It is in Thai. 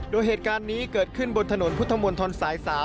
โดยเหตุการณ์นี้เกิดขึ้นบนถนนพุทธมนตรสาย๓